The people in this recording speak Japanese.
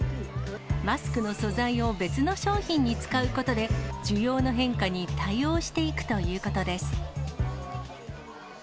マスクの素材を別の商品に使うことで、需要の変化に対応していくということです。